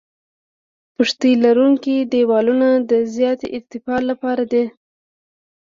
پشتي لرونکي دیوالونه د زیاتې ارتفاع لپاره دي